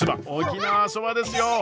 沖縄そばですよ！